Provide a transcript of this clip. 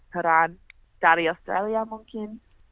peran dari australia mungkin